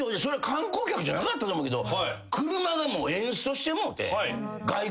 観光客じゃなかったと思うけど。